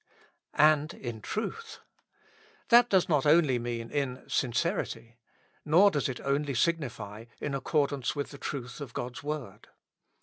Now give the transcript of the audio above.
And in truth. That does not only mean in sin cerity. Nor does it only signify, in accordance with the truth of God's Word.